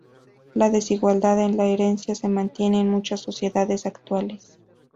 La desigualdad en la herencia se mantiene en muchas sociedades actuales.